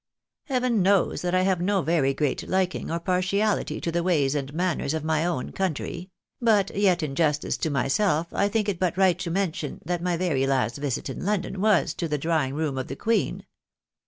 Heaven knows that I have no very great liking or partiahty to the ways and manners of my own country ; but yet in justice to myself I think it but right to mention that my very last visit in London was to the drawing room of the Queen.